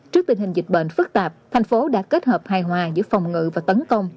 trước tình hình dịch bệnh phức tạp thành phố đã kết hợp hài hòa giữa phòng ngự và tấn công